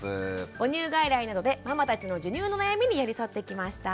母乳外来などでママたちの授乳の悩みに寄り添ってきました。